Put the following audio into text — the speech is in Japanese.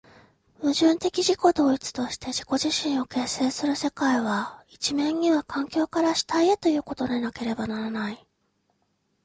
矛盾的自己同一として自己自身を形成する世界は、一面には環境から主体へということでなければならない。